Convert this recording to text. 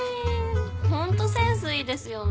ホントセンスいいですよね。